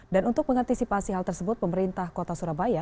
dan untuk mengantisipasi hal tersebut pemerintah kota surabaya